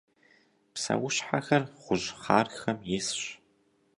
Псэущхьэхэр гъущӏхъархэм исщ.